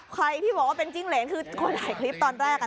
ใครที่บอกว่าเป็นจิ้งเหรนคือคนถ่ายคลิปตอนแรก